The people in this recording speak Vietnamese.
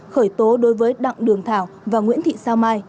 khởi tố đối với đặng đường thảo và nguyễn thị sao mai